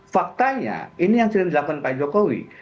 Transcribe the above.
faktanya ini yang sudah dilakukan pak jokowi